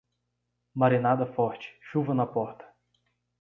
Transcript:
Marinada forte, chuva na porta.